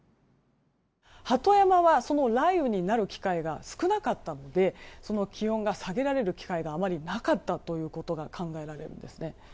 鳩山は雷雨になる機会が少なかったので気温が下げられる機会があまりなかったということが考えらえるんですね。